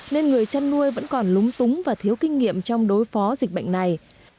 nên người chăn nuôi vẫn còn lúng túng và thiếu kinh nghiệm trong đối phó dịch bệnh này